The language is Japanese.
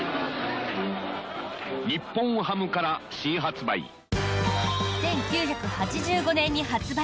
日本ハムから新発売。